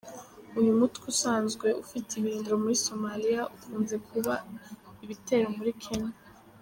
Uyu mutwe usanzwe ufite ibirindiro muri Somalia ukunze kugaba ibitero muri Kenya.